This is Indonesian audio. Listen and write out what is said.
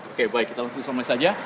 oke baik kita langsung selesai aja